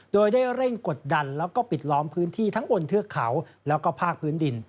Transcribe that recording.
โดยได้เร่งกดดันแล้วก็ปิดล้อมพื้นที่ทั้งบนเทือกเขาแล้วก็ภาคพื้นดิน